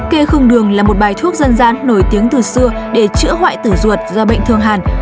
kê khung đường là một bài thuốc dân gian nổi tiếng từ xưa để chữa hoại tử ruột do bệnh thương hàn